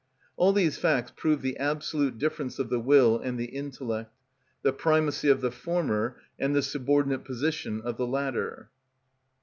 All these facts prove the absolute difference of the will and the intellect, the primacy of the former and the subordinate position of the latter.